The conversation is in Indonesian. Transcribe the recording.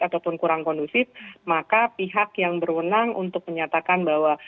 ataupun kurang kondusif maka pihak yang berwenang untuk menyatakan bahwa